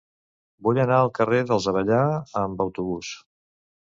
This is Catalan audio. Vull anar al carrer dels Avellà amb autobús.